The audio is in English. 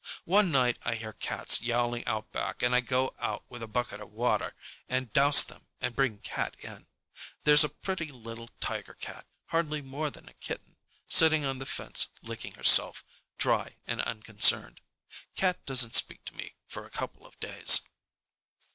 One night I hear cats yowling out back and I go out with a bucket of water and douse them and bring Cat in. There's a pretty little tiger cat, hardly more than a kitten, sitting on the fence licking herself, dry and unconcerned. Cat doesn't speak to me for a couple of days.